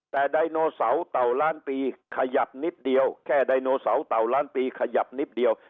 แต่ไดโนเสาร์เต่าล้านปีขยับนิดเดียวแค่ไดโนเสาร์เต่าล้านปีขยับนิดเดียว